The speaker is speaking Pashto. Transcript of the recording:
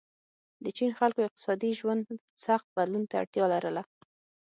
د چین خلکو اقتصادي ژوند سخت بدلون ته اړتیا لرله.